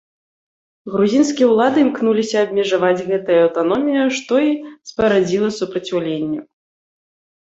Грузінскія ўлады імкнуліся абмежаваць гэтыя аўтаноміі, што і спарадзіла супраціўленне.